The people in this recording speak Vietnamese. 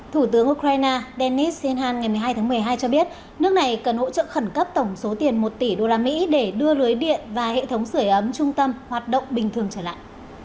thủ tướng ukraine denis silhan ngày một mươi hai tháng một mươi hai cho biết nước này cần hỗ trợ khẩn cấp tổng số tiền một tỷ usd để đưa lưới điện và hệ thống sửa ấm trung tâm hoạt động bình thường trở lại